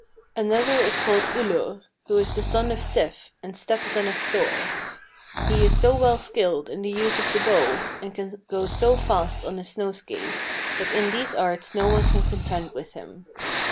32. "Another is called Ullur, who is the son of Sif, and stepson of Thor. He is so well skilled in the use of the bow, and can go so fast on his snow skates, that in these arts no one can contend with him.